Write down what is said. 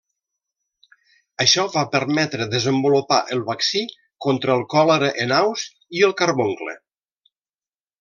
Això va permetre desenvolupar el vaccí contra el còlera en aus i el carboncle.